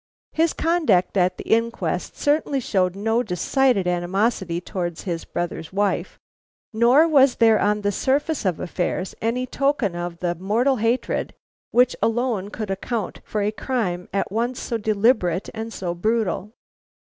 His conduct at the inquest certainly showed no decided animosity toward his brother's wife, nor was there on the surface of affairs any token of the mortal hatred which alone could account for a crime at once so deliberate and so brutal.